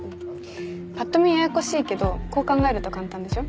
パッと見ややこしいけどこう考えると簡単でしょ？